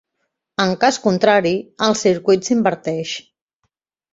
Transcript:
En cas contrari, el circuit s'inverteix.